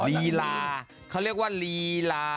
ลีลาเขาเรียกว่าลีลา